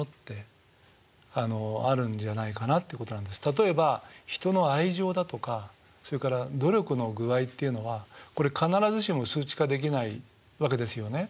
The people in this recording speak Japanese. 例えば人の愛情だとかそれから努力の具合っていうのはこれ必ずしも数値化できないわけですよね。